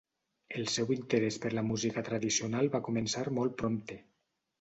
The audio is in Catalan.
El seu interés per la música tradicional va començar molt prompte.